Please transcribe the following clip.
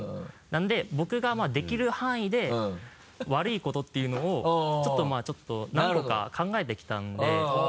なので僕ができる範囲で悪いことっていうのをちょっとまぁ何個か考えてきたんで。